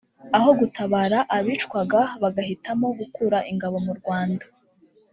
aho gutabara abicwaga bagahitamo gukura ingabo mu Rwanda